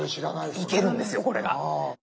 いけるんですよこれが。